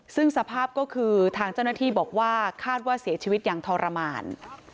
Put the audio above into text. ซึ่งสภาพก็คือทางเจ้าหน้าที่บอกว่าคาดว่าเสียชีวิตอย่างทรมาน